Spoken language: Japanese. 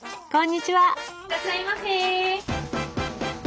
こんにちは！